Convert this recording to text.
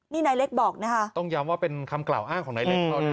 นี่นายเล็กบอกนะคะต้องย้ำว่าเป็นคำกล่าวอ้างของนายเล็กเขานะ